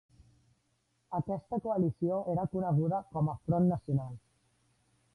Aquesta coalició era coneguda com a Front Nacional.